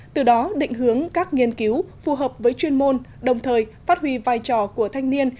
từ đó định hướng các nghiên cứu phù hợp với chuyên môn đồng thời phát huy vai trò của thanh niên